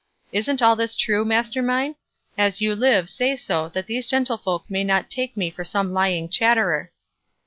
Isn't all this true, master mine? As you live, say so, that these gentlefolk may not take me for some lying chatterer."